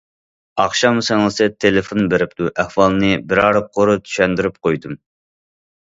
ئاخشام سىڭلىسى تېلېفون بېرىپتۇ، ئەھۋالنى بىرەر قۇر چۈشەندۈرۈپ قويدۇم.